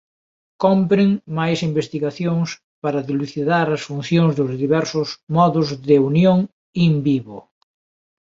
Cómpren máis investigacións para dilucidar as funcións dos diversos modos de unión "in vivo".